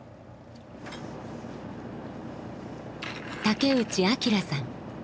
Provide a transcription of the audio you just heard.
竹内章さん。